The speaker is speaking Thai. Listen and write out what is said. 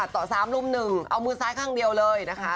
ต่อ๓รุ่ม๑เอามือซ้ายข้างเดียวเลยนะคะ